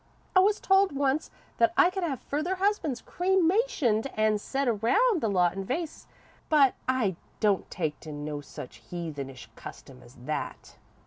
I was told once that I could have further husbands cremationed an' set around the lot in vases, but I don't take to no such heathenish custom as that.